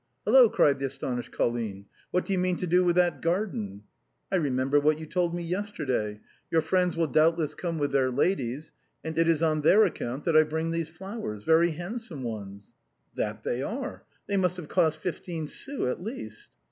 "Hello!" cried the astonished Colline; "what do you mean to do with that garden ?"" I remembered what you told me yesterday. Your friends will doubtless come with their ladies, and it is on A BOHEMIAN " AT HOME." 143 their account that I bring these flowers — very handsome ones." "That they are; they must have cost fifteen sous, at least."